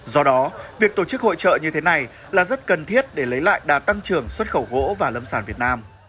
do đó việc tổ chức hội trợ như thế này là rất cần thiết để lấy lại đà tăng trưởng xuất khẩu gỗ và lâm sản việt nam